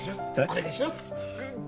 お願いしますえっ？